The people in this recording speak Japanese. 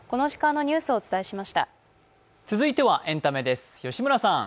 続いてはエンタメです。